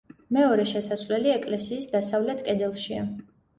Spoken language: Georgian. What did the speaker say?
მეორე შესასვლელი ეკლესიის დასავლეთ კედელშია.